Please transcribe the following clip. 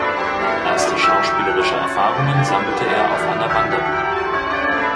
Erste schauspielerische Erfahrungen sammelte er auf einer Wanderbühne.